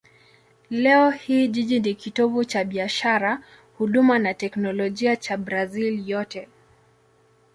Leo hii jiji ni kitovu cha biashara, huduma na teknolojia cha Brazil yote.